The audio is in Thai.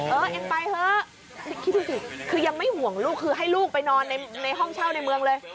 เออเองไปเถอะคิดดูสิคือยังไม่ห่วงลูกคือให้ลูกไปนอนในห้องเช่าในเมืองเลย